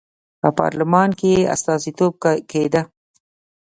په پارلمان کې یې استازیتوب کېده.